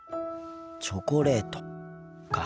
チョコレートか。